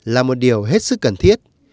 là một điều hết sức cần thiết